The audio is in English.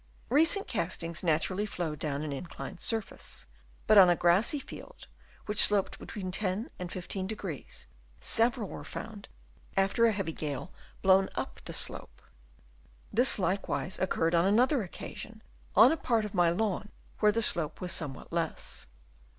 Recent castings naturally flow down an inclined surface, but on a grassy field, which sloped between 10° and 15°, several were found after a heavy gale blown up the slope. This likewise occurred on another occasion on a part of my lawn where the slope was somewhat less.